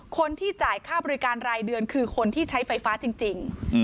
คนที่จ่ายค่าบริการรายเดือนคือคนที่ใช้ไฟฟ้าจริง